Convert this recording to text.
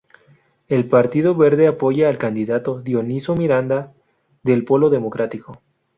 El Partido Verde apoya al candidato Dionisio Miranda del Polo Democrático.